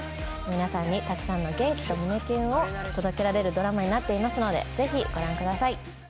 皆さんにたくさんの元気と胸キュンを届けられるドラマになっていますのでぜひご覧ください